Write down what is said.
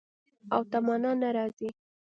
او تمنا نه راځي